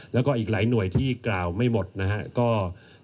แล้วก็อีกหลายหน่วยที่กล่าวไม่หมดนะครับ